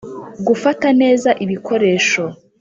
Gufata neza ibikoresho